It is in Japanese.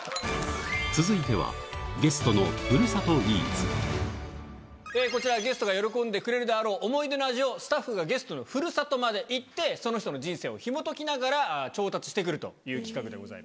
続いてはゲストのこちらゲストが喜んでくれるであろう思い出の味をスタッフがゲストの故郷まで行ってその人の人生をひも解きながら調達してくるという企画でございます。